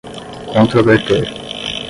controverter